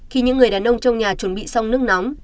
khi những người đàn ông trong nhà chuẩn bị xong nước nóng